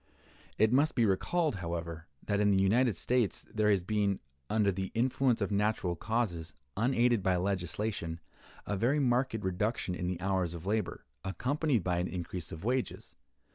It must be recalled, however, that in the United States there has been, under the influence of natural causes, unaided by legislation, a very marked reduction in the hours of labor, accompanied by an increase of wages.